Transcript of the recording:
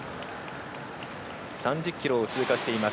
３０ｋｍを通過しています。